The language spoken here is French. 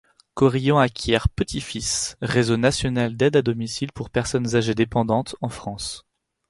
Korian acquiert Petits-fils, réseau national d’aide à domicile pour personnes âgées dépendantes en France.